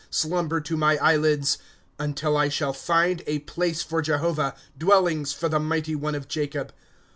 Slumber to my eyelids ;^ Until I shall find a place for Jehovah, Dwellings for the mighty one of Jacob.